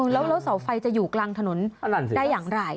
แล้วเสาไฟจะอยู่กลางถนนได้อย่างไร